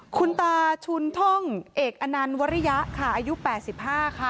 คุณตาชุนท่องเอกอนันต์วริยะค่ะอายุ๘๕ค่ะ